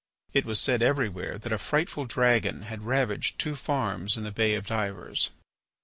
It was said everywhere that a frightful dragon had ravaged two farms in the Bay of Divers.